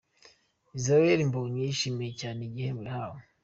Israel Mbonyi yishimiye cyane igihembo yahawe.